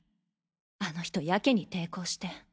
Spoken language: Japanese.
あの人やけに抵抗して。